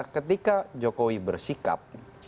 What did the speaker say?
ketika jokowi bersikap